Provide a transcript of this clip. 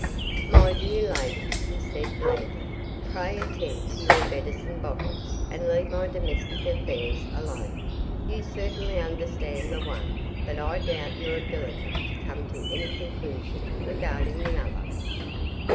'My dear lady,' he said, blandly, 'pray attend to your medicine bottles and leave my domestic affairs alone; you certainly understand the one, but I doubt your ability to come to any conclusion regarding the other.